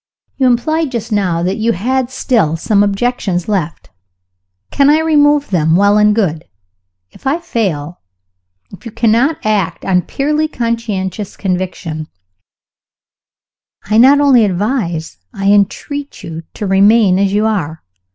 You implied just now that you had still some objections left. If I can remove them well and good. If I fail if you cannot act on purely conscientious conviction I not only advise, I entreat you, to remain as you are.